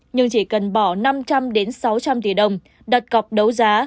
nhưng chỉ cần bỏ năm trăm linh sáu trăm linh tỷ đồng đặt cọc đấu giá